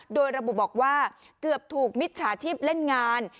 โดยระบุบอกว่าเกือบถูกมิจฉาชีพเล่นงาน